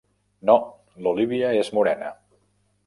No, l'Olivia és morena.